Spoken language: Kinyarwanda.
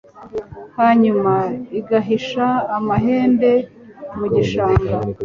hanyuma igahisha amahembe mu gishanga